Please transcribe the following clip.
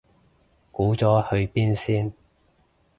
估咗去邊先